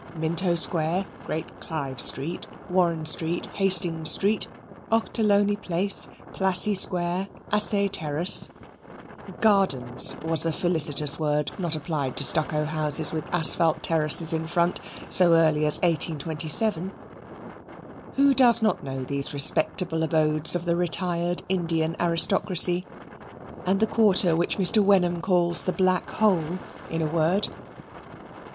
Minto Square, Great Clive Street, Warren Street, Hastings Street, Ochterlony Place, Plassy Square, Assaye Terrace ("gardens" was a felicitous word not applied to stucco houses with asphalt terraces in front, so early as 1827) who does not know these respectable abodes of the retired Indian aristocracy, and the quarter which Mr. Wenham calls the Black Hole, in a word?